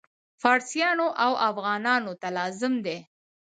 فارسیانو او افغانانو ته لازم دي.